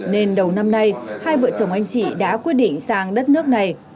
nên đầu năm nay hai vợ chồng anh chị đã quyết định sang đất nước này